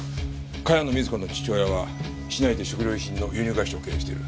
茅野瑞子の父親は市内で食料品の輸入会社を経営している。